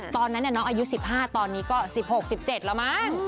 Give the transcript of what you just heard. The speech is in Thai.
ตอนนั้นน้องอายุ๑๕ตอนนี้ก็๑๖๑๗แล้วมั้ง